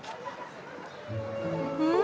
うん？